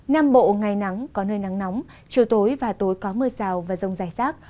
nam bộ ngày nắng có nơi nắng nóng chiều tối và tối có mưa rào và rông rải rác